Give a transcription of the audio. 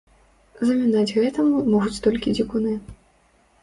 Замінаць гэтаму могуць толькі дзікуны.